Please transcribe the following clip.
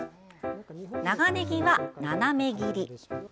長ねぎは斜め切り。